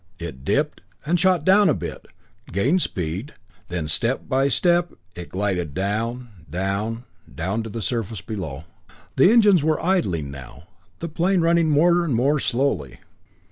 It dipped, and shot down a bit gained speed, then step by step it glided down down down to the surface below. The engines were idling now, the plane running more and more slowly.